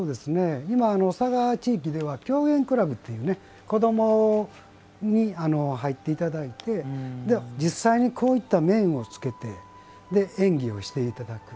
今、嵯峨地域では狂言クラブっていう子どもに入っていただいて実際に、こういった面をつけて演技をしていただく。